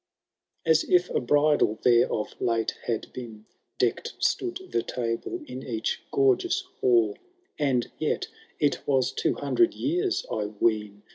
As if a bridal there of late had been. Decked stood the table in each gorgeous hall ; And yet it was two hundred years, I ween.